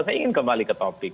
saya ingin kembali ke topik